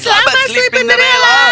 selamat tinggal slipinderella